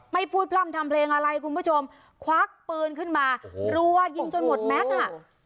ไม่พูดพร่ำทำเพลงอะไรคุณผู้ชมควักปืนขึ้นมารัวยิงจนหมดแม็กซ์อ่ะ